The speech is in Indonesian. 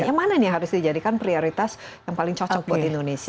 yang mana nih harus dijadikan prioritas yang paling cocok buat indonesia